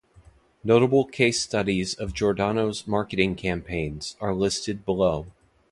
Notable case studies of Giordano's marketing campaigns are listed below.